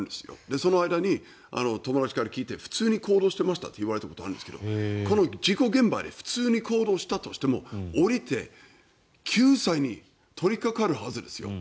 その間に友達から聞いて普通に行動してましたって言われたことがあるんですがこの事故現場で普通に行動したとしても降りて救助に取りかかるはずですよ。